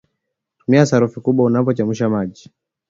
Tumia sufuria kubwa unapochemsha maji